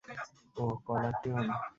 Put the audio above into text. Oh, caller tune?